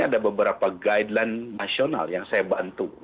ada beberapa guideline nasional yang saya bantu